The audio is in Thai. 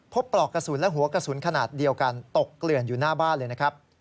ปลอกกระสุนและหัวกระสุนขนาดเดียวกันตกเกลื่อนอยู่หน้าบ้านเลยนะครับ